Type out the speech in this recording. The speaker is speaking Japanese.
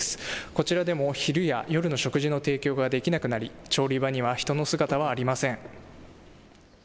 こちらでも昼や夜の食事の提供ができなくなり調理場には人の姿はありません。